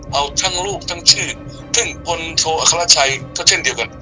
เอาทั้งรูปทั้งชื่อทั้งคนโทรอฆราชัยเท่าเช่นเดียวกัน